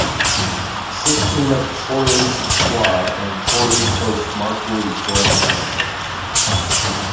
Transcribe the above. Sixteen of Chorley's squad and Chorley coach Mark Lee joined the Panthers.